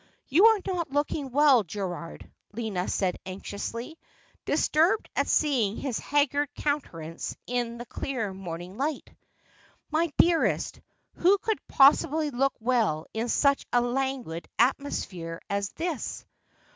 ' You are not looking well, Gerald,' Lina said anxiously, dis turbed at seeing his haggard countenance in the clear morning hght. ' My dearest, who could possibly look well in such a languid atmosphere as this